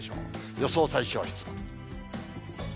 予想最小湿度。